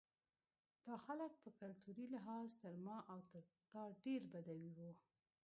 دا خلک په کلتوري لحاظ تر ما او تا ډېر بدوي وو.